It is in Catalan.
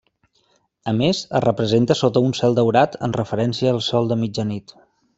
A més, es representa sota un cel daurat en referència al sol de mitjanit.